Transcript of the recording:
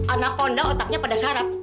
anakonda otaknya pada sarap